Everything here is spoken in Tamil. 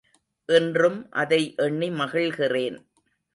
இன்றும் அதை எண்ணி மகிழ்கிறேன்.